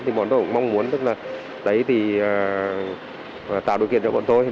thì bọn tôi cũng mong muốn tạo điều kiện cho bọn tôi